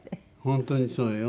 本当にそうよ。